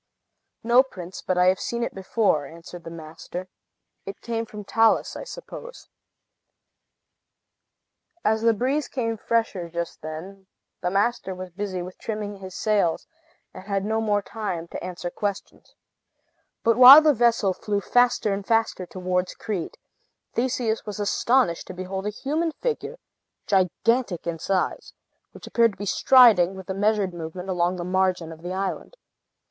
"No, prince; but I have seen it before," answered the master. "It came from Talus, I suppose." As the breeze came fresher just then, the master was busy with trimming his sails, and had no more time to answer questions. But while the vessel flew faster and faster towards Crete, Theseus was astonished to behold a human figure, gigantic in size, which appeared to be striding, with a measured movement, along the margin of the island.